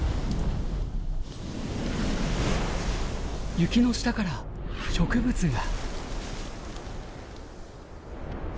雪の下から植物が。